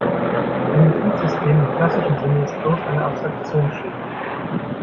Ein Betriebssystem im klassischen Sinne ist bloß eine Abstraktionsschicht.